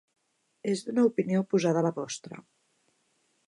És d'una opinió oposada a la vostra.